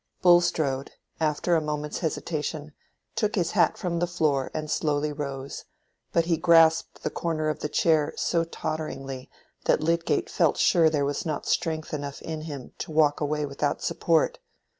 Bulstrode, after a moment's hesitation, took his hat from the floor and slowly rose, but he grasped the corner of the chair so totteringly that Lydgate felt sure there was not strength enough in him to walk away without support.